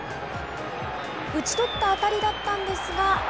打ち取った当たりだったんですが。